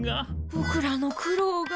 ぼくらの苦労が。